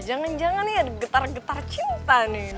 jangan jangan nih ada getar getar cinta nih